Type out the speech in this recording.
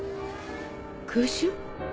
空襲？